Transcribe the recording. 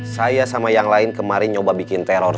saya sama yang lain kemarin nyoba bikin teror